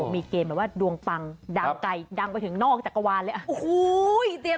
มีเกณฑ์แบบว่าดวงปังดังไกลดังไปถึงนอกจักรวาลเลย